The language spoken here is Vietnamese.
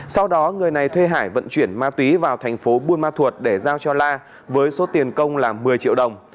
sau đó người này thuê hải vận chuyển ma túy vào thành phố buôn ma thuột để giao cho la với số tiền công là một mươi triệu đồng